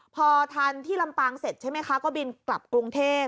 พอทานที่ลำปางเสร็จใช่ไหมคะก็บินกลับกรุงเทพ